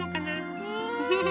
ねえ。